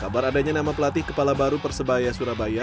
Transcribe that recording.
kabar adanya nama pelatih kepala baru persebaya surabaya